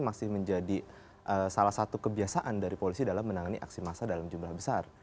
masih menjadi salah satu kebiasaan dari polisi dalam menangani aksi massa dalam jumlah besar